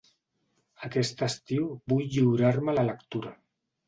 Aquest estiu vull lliurar-me a la lectura.